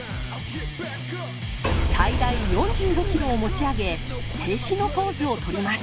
最大４５キロを持ち上げ静止のポーズをとります。